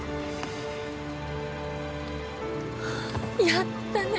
やったね！